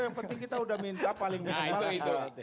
yang penting kita udah minta paling benar